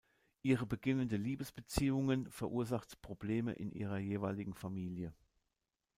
Ihre beginnende Liebesbeziehungen verursacht Probleme in ihrer jeweiligen Familie.